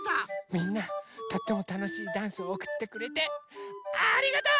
みんなとってもたのしいダンスをおくってくれてありがとう！